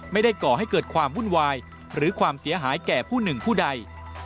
ก่อให้เกิดความวุ่นวายหรือความเสียหายแก่ผู้หนึ่งผู้ใด